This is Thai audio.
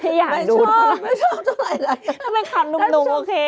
ถ้ามันคำลุ่มโอเค